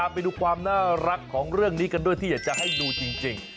ไปดูความน่ารักของเรื่องนี้กันด้วยที่อยากจะให้ดูจริง